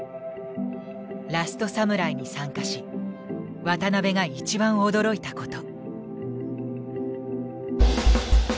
「ラストサムライ」に参加し渡辺が一番驚いたこと。